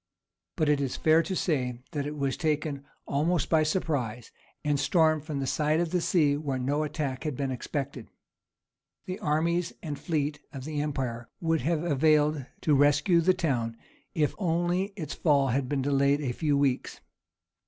But it is fair to say that it was taken almost by surprise, and stormed from the side of the sea where no attack had been expected. The armies and fleet of the empire would have availed to rescue the town if only its fall had been delayed a few weeks.